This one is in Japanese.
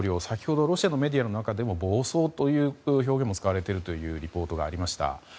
先ほどロシアのメディアの中でも暴走という表現も使われているというリポートもありました。